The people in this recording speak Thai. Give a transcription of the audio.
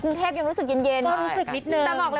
กรุงเทพยังรู้สึกเย็นเย็นค่ะ